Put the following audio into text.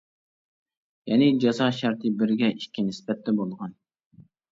يەنى جازا شەرتى بىرگە ئىككى نىسبەتتە بولغان.